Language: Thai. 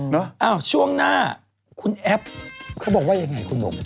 เนอะช่วงหน้าคุณแอฟเขาบอกว่าอย่างไรคุณหมด